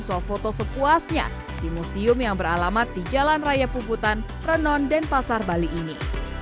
sebuah foto sepuasnya di museum yang beralamat di jalan raya puputan renon dan pasar bali ini